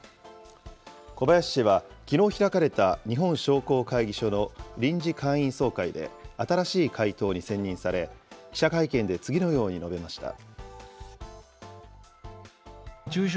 小林氏は、きのう開かれた日本商工会議所の臨時会員総会で、新しい会頭に選任され、記者会見で次のように述べました。